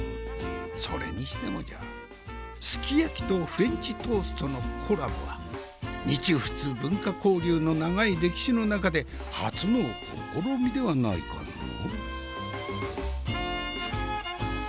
それにしてもじゃすき焼きとフレンチトーストのコラボは日仏文化交流の長い歴史の中で初の試みではないかの？